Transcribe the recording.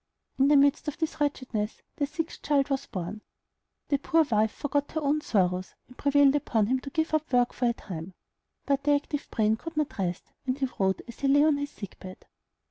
In the midst of this wretchedness their sixth child was born. The poor wife forgot her own sorrows, and prevailed upon him to give up work for a time; but the active brain could not rest, and he wrote as he lay on his sick bed.